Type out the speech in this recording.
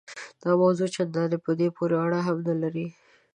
دا موضوع چنداني په دې پورې اړه هم نه لري.